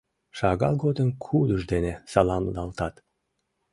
Шагал годым кудыж дене саламлалтат».